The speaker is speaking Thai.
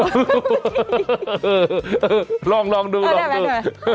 เออลองดูลองดู